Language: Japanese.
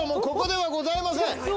ここではございません。